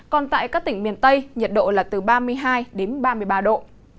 còn tại các tỉnh miền tây nhiệt độ là từ ba mươi hai đến ba mươi ba độ